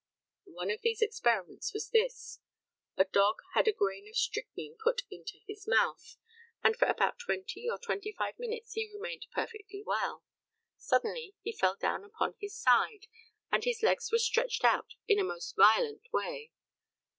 One of these experiments was this: A dog had a grain of strychnine put into his mouth, and for about 20 or 25 minutes he remained perfectly well. Suddenly he fell down upon his side, and his legs were stretched out in a most violent way.